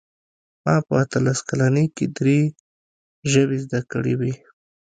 ما په اتلس کلنۍ کې درې ژبې زده کړې وې